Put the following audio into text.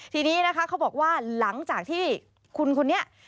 ทีนี้นะคะเขาบอกว่าหลังจากที่คุณคนนี้